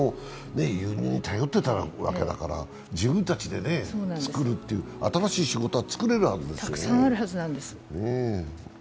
輸入に頼ってたわけだから自分たちで作るという、新しい仕事は作れるはずですよね。